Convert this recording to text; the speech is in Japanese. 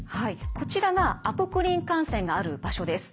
こちらがアポクリン汗腺がある場所です。